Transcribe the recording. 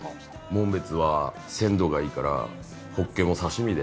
紋別は鮮度がいいからホッケも刺身で。